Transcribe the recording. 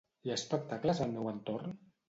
Hi ha espectacles al meu entorn?